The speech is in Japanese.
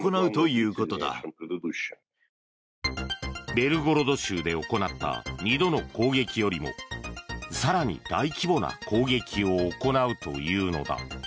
ベルゴロド州で行った２度の攻撃よりも更に大規模な攻撃を行うというのだ。